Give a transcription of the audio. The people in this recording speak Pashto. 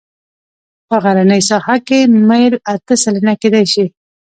په غرنۍ ساحه کې میل اته سلنه کیدی شي